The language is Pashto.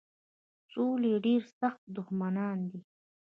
سولي ډېر سخت دښمنان دي.